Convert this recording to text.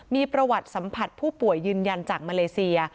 มีประวัติสัมผัสผู้ป่วยยืนยันจากมาเลเซีย